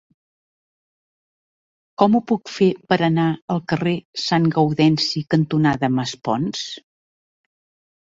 Com ho puc fer per anar al carrer Sant Gaudenci cantonada Maspons?